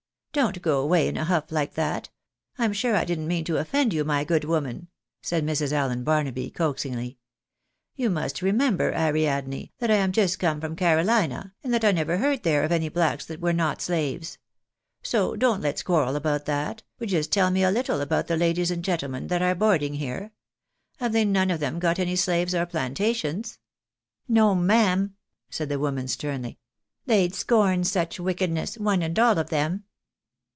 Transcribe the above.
" Don't go away in a huff like that — I'm sure I didn't mean to offend you, my good woman," said Mrs. \llen Barnaby, coaxingly. " You must remember, Ariadne, that I am just come from Carolina, and that I never heard there of any blacks that were not slaves. So don't let's quarrel about that, but just tell me a little about the ladies and gentlemen that are boarding here. Have they none of them got any slaves or plantations ?"" No, ma'am," said the woman, sternly ;" they'd scorn such wickedness, one and all of them."